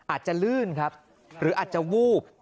อาจจะลื่นครับหรืออาจจะวูบ